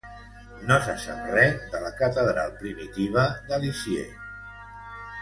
No se sap res de la catedral primitiva de Lisieux.